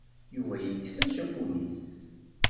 Yuba yekkes ačapun-is.